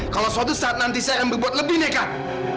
kalau suatu saat nanti saya akan berbuat lebih nekat